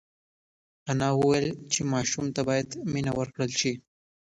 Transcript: انا وویل چې ماشوم ته باید مینه ورکړل شي.